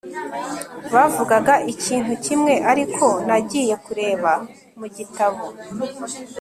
bavugaga ikintu kimwe ariko nagiye kureba mu gitabo